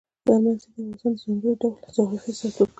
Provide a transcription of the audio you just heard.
هلمند سیند د افغانستان د ځانګړي ډول جغرافیه استازیتوب کوي.